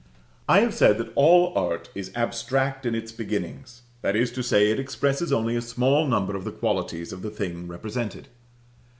I have said that all art is abstract in its beginnings; that is to say, it expresses only a small number of the qualities of the thing represented.